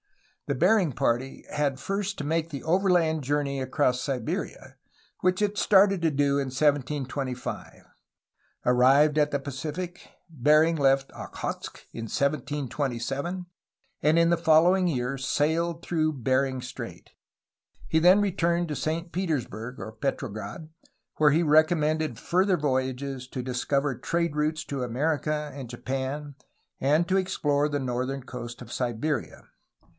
The Bering party had first to make the overland journey across Siberia, which it started to do in 1725. Arrived at the Pacific, Bering left Okhotsk in 1727, and in the following year sailed through Bering Strait. He then returned to Saint Petersburg (Petrograd), where he recommended further voyages to discover trade routes to America and Japan and to explore the northern coast of Siberia.